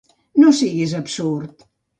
No siguis absurd!